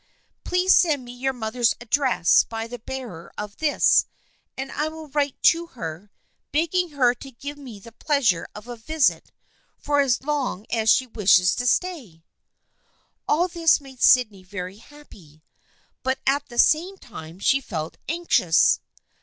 Please send me your mother's address by the bearer of this and I will write to her, begging her to give me the pleasure of a visit for as long as she wishes to stay." All this made Sydney very happy, but at the same time she felt anxious.